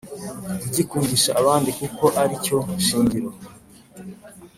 kugikundisha abandi kuko ari cyo shingiro